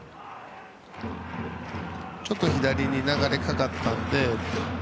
ちょっと左に流れかかったので。